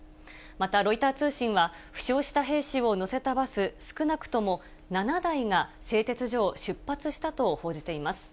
また、ロイター通信は、負傷した兵士を乗せたバス少なくとも７台が製鉄所を出発したと報じています。